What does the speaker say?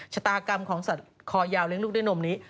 ชะตากรรมของสัตว์คอยาวเลี้ยลูกด้วยนมนี้